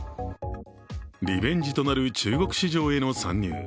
リベンジとなる中国市場への参入。